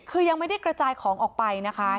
คือยังไม่ได้กระจายของออกไปนะคะ